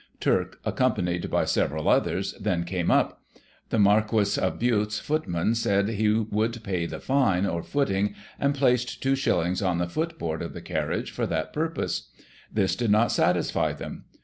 Turk, accompanied by several others, then came up. The Marquis of Bute's footman said he would pay the fine, or footing, and placed two shillings on the footboard of the carriage for that purpose. This did not satisfy them.